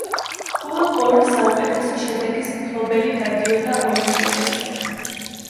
მხოლოდ ორი საუკეთესო შედეგის მფლობელი გადიოდა ოლიმპიადაზე.